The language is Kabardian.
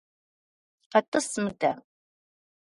КъэтӀыс мыдэ!